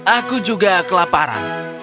aku juga kelaparan